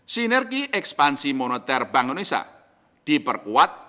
sinergi ekspansi moneter bank indonesia diperkuat